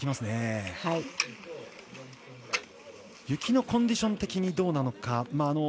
雪のコンディション的にどうなのか。